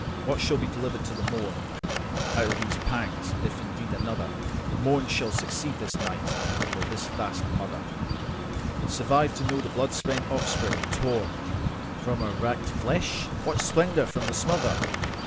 What shall be delivered to the mornOut of these pangs, if ever indeed anotherMorn shall succeed this night, or this vast motherSurvive to know the blood spent offspring, tornFrom her racked flesh?—What splendour from the smother?